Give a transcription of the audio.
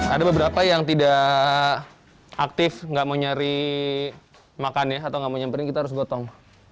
ada beberapa yang tidak aktif nggak mau nyari makannya atau nggak mau nyamperin kita harus gotong